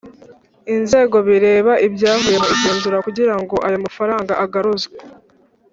inzego bireba ibyavuye mu igenzura kugirango ayo mafaranga agaruzwe